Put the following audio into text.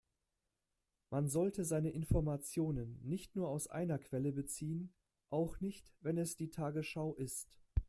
Man sollte seine Informationen nicht nur aus einer Quelle beziehen, auch nicht wenn es die Tagesschau ist.